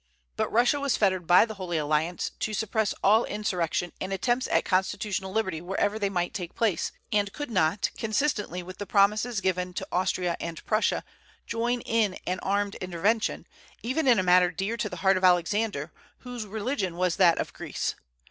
But Russia was fettered by the Holy Alliance to suppress all insurrection and attempts at constitutional liberty wherever they might take place, and could not, consistently with the promises given to Austria and Prussia, join in an armed intervention, even in a matter dear to the heart of Alexander, whose religion was that of Greece.